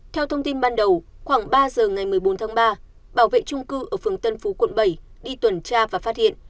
theo thông tin ban đầu khoảng ba giờ ngày một mươi bốn tháng ba bảo vệ trung cư ở phường tân phú quận bảy đi tuần tra và phát hiện